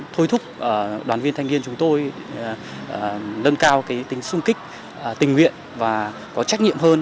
thôi thúc đoàn viên thanh niên chúng tôi nâng cao tính sung kích tình nguyện và có trách nhiệm hơn